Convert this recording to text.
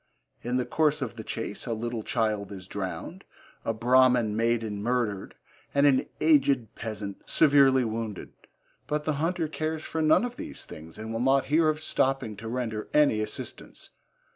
In the course of the chase a little child is drowned, a Brahmin maiden murdered, and an aged peasant severely wounded, but the hunter cares for none of these things and will not hear of stopping to render any assistance.